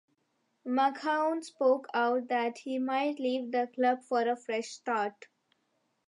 Makoun spoke out, that he might leave the club for a fresh start.